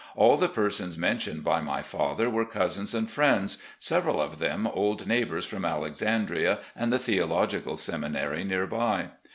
All the persons mentioned by my father were cousins and friends, several of them old neighbours from Alexandria and the Theological Semi nary near by.